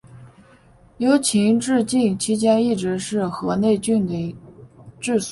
由秦至晋期间一直是河内郡的治所。